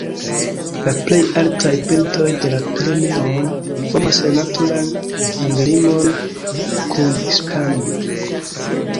La plej altaj pintoj de la Pireneoj formas la naturan landlimon kun Hispanio.